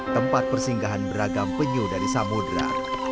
tempat persinggahan beragam penyu dari samudera